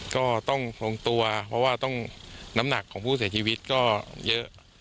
ก็ต้องลงตัวเพราะว่าต้องน้ำหนักของผู้เสียชีวิตก็เยอะ